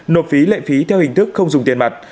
nộp phí lệ phí theo hình thức không dùng tiền mặt